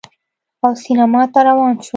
او سینما ته روان شول